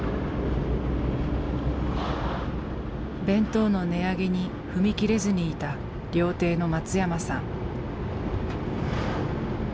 弁当の値上げに踏み切れずにいた料亭の松山さん。